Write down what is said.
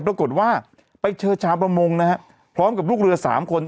ปรากฏว่าไปเจอชาวประมงนะฮะพร้อมกับลูกเรือ๓คน